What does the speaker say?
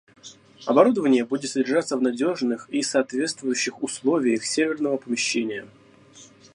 Оборудование будет содержаться в надежных и соответствующих условиях серверного помещения